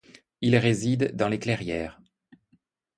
Il réside dans les clairières.